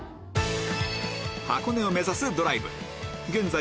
箱根を目指すドライブ現在